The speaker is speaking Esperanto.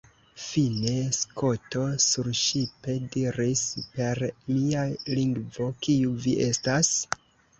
Fine, Skoto surŝipe diris per mia lingvo, “Kiu vi estas? »